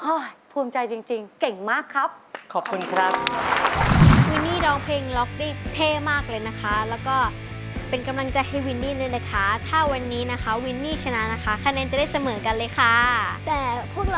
โอ๊ยภูมิใจจริงเก่งมากครับ